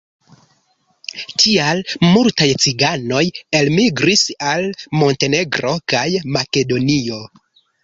Tial multaj ciganoj elmigris al Montenegro kaj Makedonio.